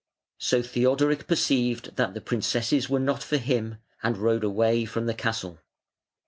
So Theodoric perceived that the princesses were not for him, and rode away from the castle.